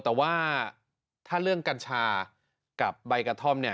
แต่ว่าถ้าเรื่องกัญชากับใบกระท่อมเนี่ย